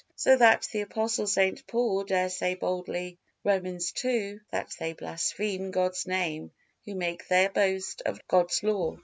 So that the Apostle St. Paul dare say boldly, Romans ii, that they blaspheme God's Name who make their boast of God's Law.